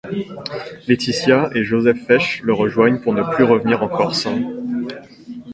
Letizia et Joseph Fesch le rejoignent pour ne plus revenir en Corse.